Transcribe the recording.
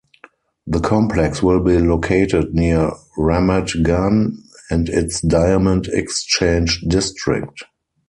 The complex will be located near Ramat Gan and its Diamond Exchange District.